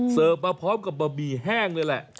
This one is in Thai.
เสิร์ฟมาพร้อมกับบะบี่แห้งเลยแหละ